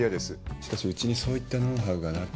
しかしうちにそういったノウハウがなく。